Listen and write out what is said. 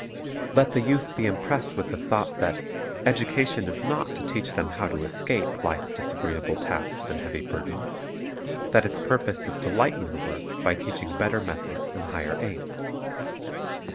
Let the youth be impressed with the thought that education is not to teach them how to escape life's disagreeable tasks and heavy burdens; that its purpose is to lighten the work by teaching better methods and higher aims.